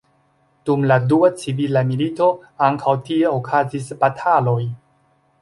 Dum la dua civila milito ankaŭ tie okazis bataloj.